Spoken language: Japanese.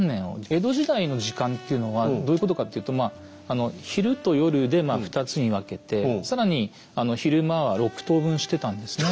江戸時代の時間っていうのはどういうことかっていうと昼と夜で２つに分けて更に昼間は６等分してたんですね。